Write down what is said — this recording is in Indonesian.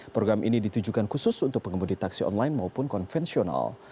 program ini ditujukan khusus untuk pengemudi taksi online maupun konvensional